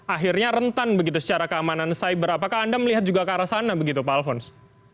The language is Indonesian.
akhirnya rentan begitu secara keamanan cyber apakah anda melihat juga ke arah sana begitu pak alfons